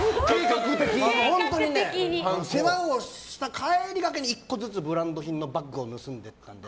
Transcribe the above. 本当に世話をした帰りがけに１個ずつブランド品のバッグを盗んでいったので。